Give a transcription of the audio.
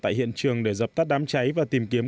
tại hiện trường để dập tắt đám cháy và tìm kiếm